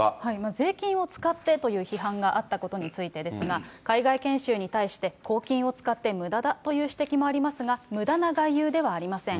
税金を使ってという批判があったことについてですが、海外研修に対して、公金を使ってむだだという指摘もありますが、むだな外遊ではありません。